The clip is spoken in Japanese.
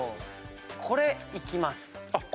これいきます。